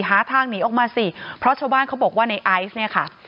หาทางหนีออกมาสิเพราะชาวบ้านเขาบอกว่าในไอซ์เนี่ยค่ะ